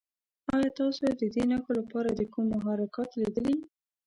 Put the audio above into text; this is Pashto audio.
ایا تاسو د دې نښو لپاره کوم محرکات لیدلي؟